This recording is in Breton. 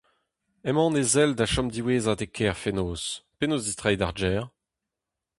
Emaon e-sell da chom diwezhat e kêr fenoz : penaos distreiñ d'ar gêr ?